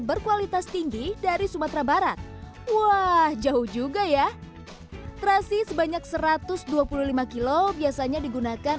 berkualitas tinggi dari sumatera barat wah jauh juga ya terasi sebanyak satu ratus dua puluh lima kilo biasanya digunakan